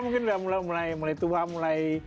mungkin sudah mulai tua mulai